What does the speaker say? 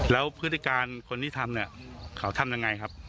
แล้วพฤติการคนที่ทำเนี่ยเขาทำยังไงครับ